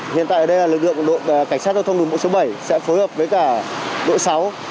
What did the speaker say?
hiện tại đây lực lượng đội cảnh sát giao thông đường bộ số bảy sẽ phối hợp với cả đội sáu